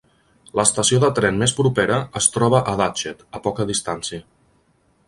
L'estació de tren més propera es troba a Datchet, a poca distància.